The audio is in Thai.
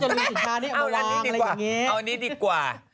เอานี่ดีกว่า